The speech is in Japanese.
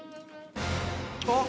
あっ！